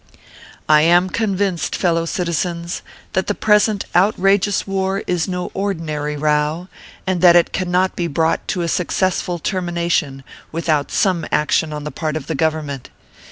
I am convinced, fellow citizens, that the present outrageous war is no ordinary row, and that it cannot be brought to a successful termination without some action on the part of the Government.